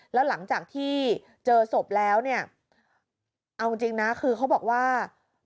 แล้วหลังจากที่เจอศพแล้วเนี่ยเอาจริงนะคือเขาบอกว่า